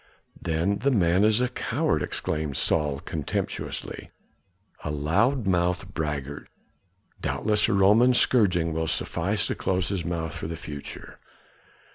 "Then the man is a coward!" exclaimed Saul contemptuously, "a loud mouthed braggart; doubtless a Roman scourging will suffice to close his mouth for the future."